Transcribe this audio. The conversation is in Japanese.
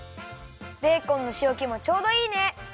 ベーコンのしおけもちょうどいいね！